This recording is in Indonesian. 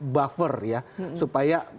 buffer ya supaya